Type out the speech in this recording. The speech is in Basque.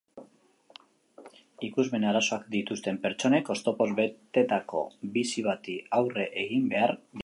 Ikusmen arazoak dituzten pertsonek oztopoz betetako bizi bati aurre egin behar diote.